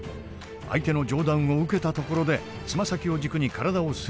相手の上段を受けたところでつま先を軸に体を鋭く回転。